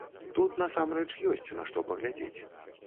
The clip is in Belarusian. Тут насамрэч ёсць на што паглядзець.